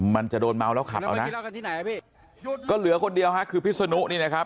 มันจะโดนเมาแล้วขับเอานะพี่ก็เหลือคนเดียวฮะคือพิษนุนี่นะครับ